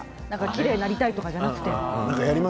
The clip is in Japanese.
きれいになりたいんではなくて。